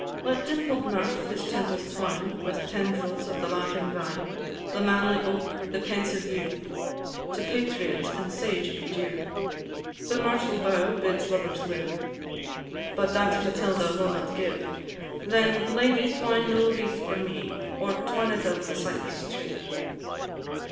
Let dimpled mirth his temples twine With tendrils of the laughing vine; The manly oak, the pensive yew, To patriot and to sage be due; The myrtle bough bids lovers live But that Matilda will not give; Then, lady, twine no wreath for me, Or twine it of the cypress tree!